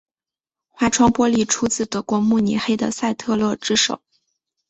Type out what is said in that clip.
花窗玻璃出自德国慕尼黑的赛特勒之手。